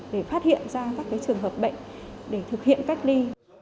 để phát hiện ra các trường hợp bệnh để thực hiện cách ly